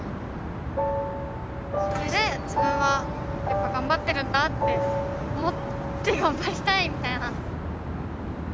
それで自分はやっぱ頑張ってるんだって思って頑張りたいみたいな。